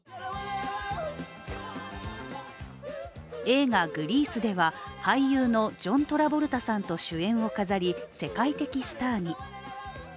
映画「グリース」では俳優のジョン・トラボルタさんと主演をの飾り、世界的スターに。